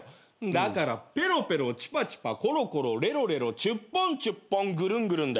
だからペロペロチュパチュパコロコロレロレロチュッポンチュッポンぐるんぐるんだよ。